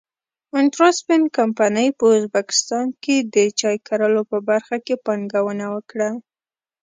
انټرسپن کمپنۍ په ازبکستان کې د چای کرلو په برخه کې پانګونه وکړه.